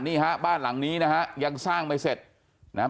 นี่ฮะบ้านหลังนี้นะฮะยังสร้างไม่เสร็จนะครับ